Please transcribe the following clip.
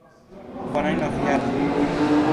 Bonan Novjaron!